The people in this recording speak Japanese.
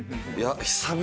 久々！